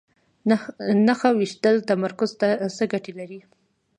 نښه ویشتل تمرکز ته څه ګټه لري؟